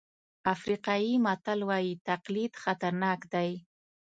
افریقایي متل وایي تقلید خطرناک دی.